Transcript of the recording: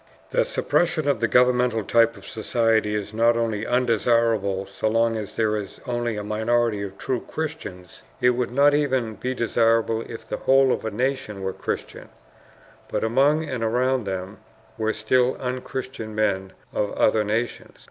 The suppression of the governmental type of society is not only undesirable so long as there is only a minority of true Christians; it would not even be desirable if the whole of a nation were Christians, but among and around them were still unchristian men of other nations.